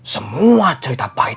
semua cerita pahit